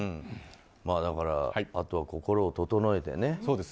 だから、あとは心を整えてね。